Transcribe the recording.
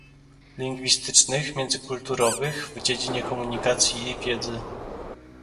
lingwistycznych, międzykulturowych, w dziedzinie komunikacji i wiedzy